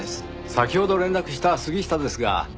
先ほど連絡した杉下ですが。